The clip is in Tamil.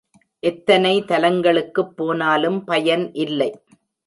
எத்தனை தலங்களுக்குப் போனாலும் பயன் இல்லை.